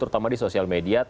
terutama di sosial media